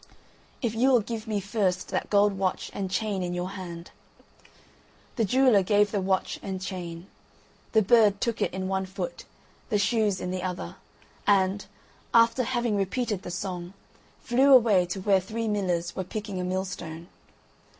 "If you will give me first that gold watch and chain in your hand." The jeweller gave the watch and chain. The bird took it in one foot, the shoes in the other, and, after having repeated the song, flew away to where three millers were picking a millstone.